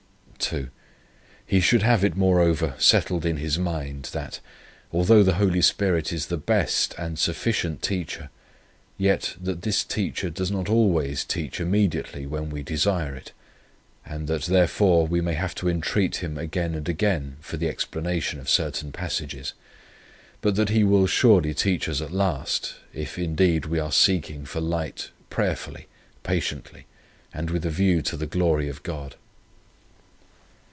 "II. He should have it, moreover, settled in his mind, that, although the Holy Spirit is the best and sufficient teacher, yet that this teacher does not always teach immediately when we desire it, and that, therefore, we may have to entreat Him again and again for the explanation of certain passages; but that He will surely teach us at last, if indeed we are seeking for light prayerfully, patiently, and with a view to the glory of God.